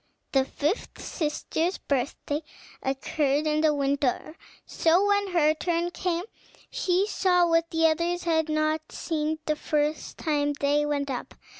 The fifth sister's birthday occurred in the winter; so when her turn came, she saw what the others had not seen the first time they went up.